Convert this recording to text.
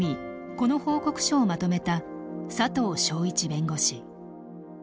この報告書をまとめた佐藤彰一弁護士。